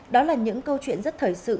đó là những câu chuyện rất thời sự